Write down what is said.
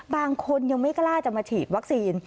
บางคนยังไม่กล้าจะมาฉีดวัคซีน